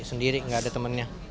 sendiri gak ada temennya